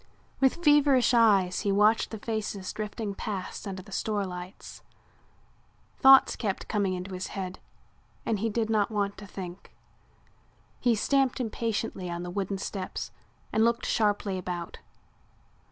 With feverish eyes he watched the faces drifting past under the store lights. Thoughts kept coming into his head and he did not want to think. He stamped impatiently on the wooden steps and looked sharply about.